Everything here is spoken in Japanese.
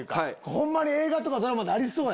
ホンマに映画とかドラマでありそう。